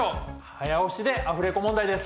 早押しでアフレコ問題です。